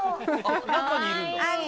中にいるんだ。